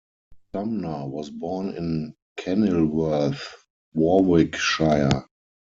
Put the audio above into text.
Sumner was born in Kenilworth, Warwickshire.